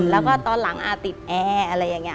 แล้วก็ตอนหลังติดแอร์อะไรอย่างนี้